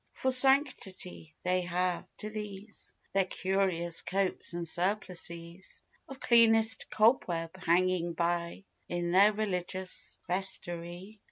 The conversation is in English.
For sanctity, they have, to these, Their curious copes and surplices Of cleanest cobweb, hanging by In their religious vestery.